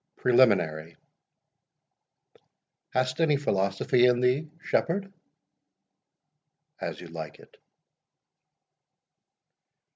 PRELIMINARY. Hast any philosophy in thee, Shepherd? AS YOU LIKE IT.